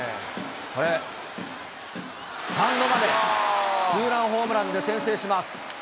これ、スタンドまで、ツーランホームランで先制します。